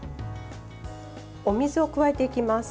お水を加えていきます。